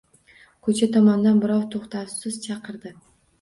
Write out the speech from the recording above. Ko‘cha tomondan birov to‘xtovsiz chaqirdi.